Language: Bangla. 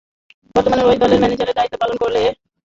বর্তমানে এই দলের ম্যানেজারের দায়িত্ব পালন করছেন স্টেফান কুনৎস।